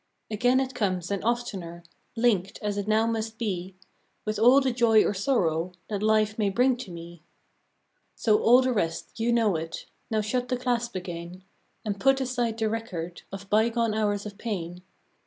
Again it comes, and oftener, Linked, as it now must be, With all the joy or sorrow That Life may bring to me. So all the rest — you know it; Now shut the clasp again, And put aside the record Of bygone hours of pain.